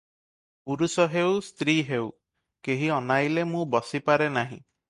ପୁରୁଷ ହେଉ ସ୍ତ୍ରୀ ହେଉ, କେହି ଅନାଇଲେ ମୁଁ ବସିପାରେ ନାହିଁ ।"